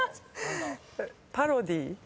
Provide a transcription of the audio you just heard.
「パロディー」あ！